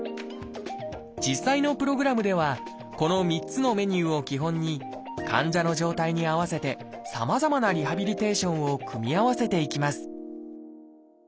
実際のプログラムではこの３つのメニューを基本に患者の状態に合わせてさまざまなリハビリテーションを組み合わせていきます